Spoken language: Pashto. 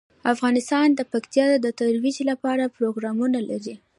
افغانستان د پکتیا د ترویج لپاره پروګرامونه لري.